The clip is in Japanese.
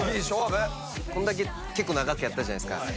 結構長くやったじゃないですか。